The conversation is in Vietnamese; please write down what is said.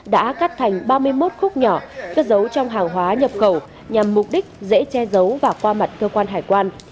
đã cắt thành ba mươi một khúc nhỏ cất giấu trong hàng hóa nhập khẩu nhằm mục đích dễ che giấu và qua mặt cơ quan hải quan